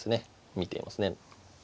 見ていますね。